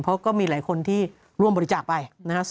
เพราะก็มีหลายคนที่ร่วมบริจาคไปนะครับ